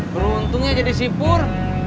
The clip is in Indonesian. beruntungnya jadi sipur